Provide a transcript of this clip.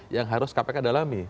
yang harus kpk dalami